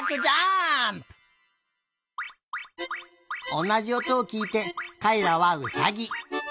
おなじおとをきいてかいらはウサギ。